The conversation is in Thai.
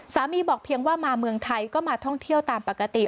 บอกเพียงว่ามาเมืองไทยก็มาท่องเที่ยวตามปกติ